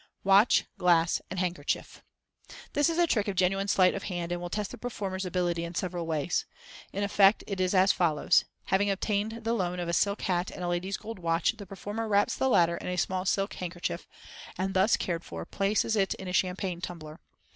Watch, Glass, and Handkerchief.—This is a trick of genuine sleight of hand, and will test the performer's ability in several ways. In effect it is as follows:—Having obtained the loan of a silk hat and a lady's gold watch, the performer wraps the latter in a small silk handkerchief, and thus cared for, places it in a champagne tumbler.